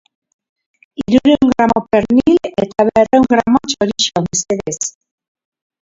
Hirurehun gramo pernil eta berrehun gramo txorizo, mesedez.